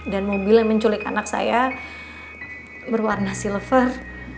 dan mobil yang menculik anak saya berwarna silver